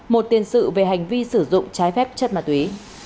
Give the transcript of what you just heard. một tiền sự về hành vi sử dụng trái phép chất ma túy